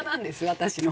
私の。